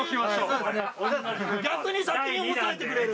逆に先に押さえて。